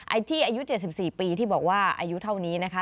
ที่อายุ๗๔ปีที่บอกว่าอายุเท่านี้นะคะ